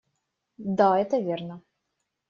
Да, это верно.